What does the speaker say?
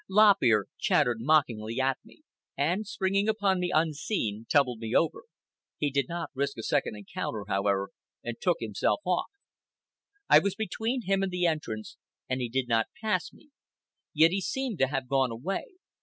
Lop Ear chattered mockingly at me, and, springing upon me unseen, tumbled me over. He did not risk a second encounter, however, and took himself off. I was between him and the entrance, and he did not pass me; yet he seemed to have gone away.